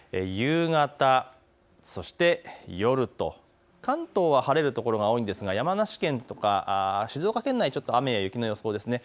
夕方、そして夜と関東は晴れる所が多いんですが、山梨県や静岡県内、ちょっと雨や雪の予想です。